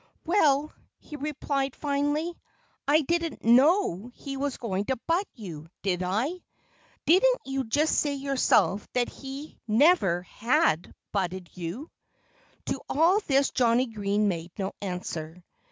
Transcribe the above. "Well," he replied finally, "I didn't know he was going to butt you, did I? Didn't you just say yourself that he never had butted you?" To all this Johnnie Green made no answer.